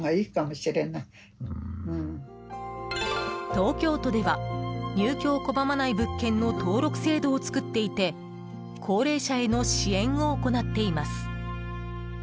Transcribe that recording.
東京都では、入居を拒まない物件の登録制度を作っていて高齢者への支援を行っています。